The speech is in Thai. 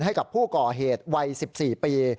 ให้กับผู้ก่อเหตุวัย๑๔ปี